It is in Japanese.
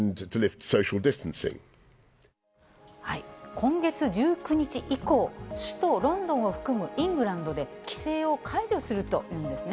今月１９日以降、首都ロンドンを含むイングランドで規制を解除するというんですね。